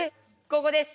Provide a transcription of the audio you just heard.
ここです。